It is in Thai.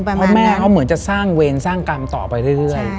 เพราะแม่เขาเหมือนจะสร้างเวรสร้างกรรมต่อไปเรื่อย